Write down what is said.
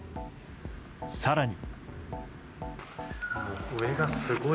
更に。